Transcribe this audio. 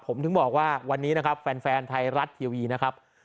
ผมถึงบอกว่าวันนี้นะครับแฟนไทยรัฐทีวีนะครับ